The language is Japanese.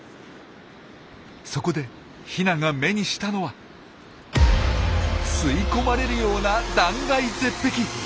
そこでヒナが目にしたのは吸い込まれるような断崖絶壁！